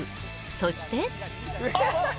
そして。